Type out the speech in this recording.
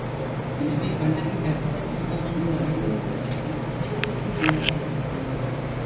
எனவே கண்ணகி கற்புடைத் தெய்வம் என்று அடிகள் கூறியது செயலுக்கு வந்து சேர்கிறது.